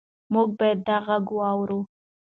موږ باید دا غږ واورو.